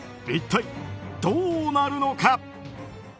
一体、どうなるのか？